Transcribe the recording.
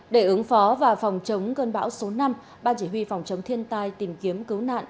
để ứng phó và phòng chống cơn bão số năm ban chỉ huy phòng chống thiên tai tìm kiếm cứu nạn